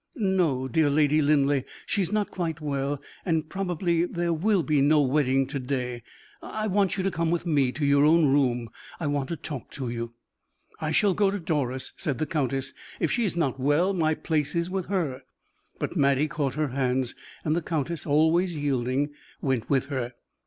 "No, dear Lady Linleigh: she is not quite well; and probably there will be no wedding to day. I want you to come with me to your own room I want to talk to you." "I shall go to Doris," said the countess: "if she is not well, my place is with her." But Mattie caught her hands, and the countess, always yielding, went with her.